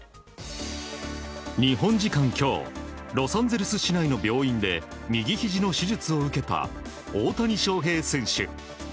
日本時間今日ロサンゼルス市内の病院で右ひじの手術を受けた大谷翔平選手。